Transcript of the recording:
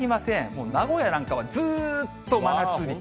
もう名古屋なんかはずっと真夏日。